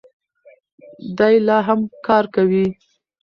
دی لا هم کار کوي.